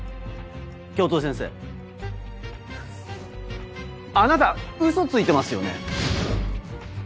教頭先生あなたウソついてますよね？